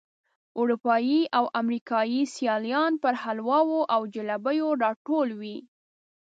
اروپایي او امریکایي سیلانیان پر حلواو او جلبیو راټول وي.